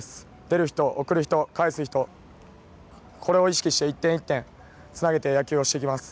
出る人、送る人、かえす人これを意識して１点１点つなげて野球をしていきます。